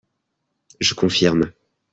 Je confirme